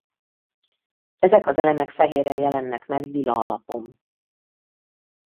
Ezek az elemek fehérrel jelennek meg lila alapon.